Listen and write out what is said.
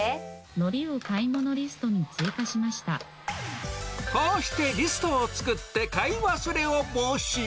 のりを買い物リストに追加しこうしてリストを作って買い忘れを防止。